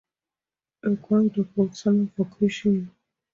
A guide about summer vacation.